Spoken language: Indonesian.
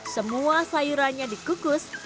semua sayurannya dikukus